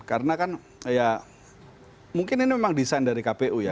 karena kan ya mungkin ini memang desain dari kpu ya